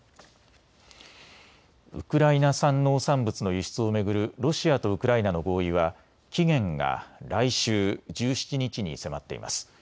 ウクライナ産農産物の輸出を巡るロシアとウクライナの合意は期限が来週１７日に迫っています。